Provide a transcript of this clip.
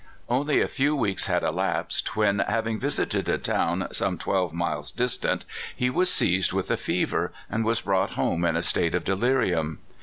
Only a few weeks had elapsed when, having vis ited a town some twelve miles distant, he was seized with a fever and was brought home in a state of delirium.